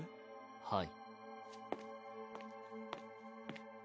はい。